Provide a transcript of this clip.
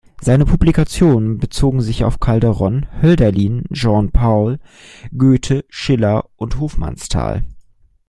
Seine Publikationen bezogen sich auf Calderon, Hölderlin, Jean Paul, Goethe, Schiller und Hofmannsthal.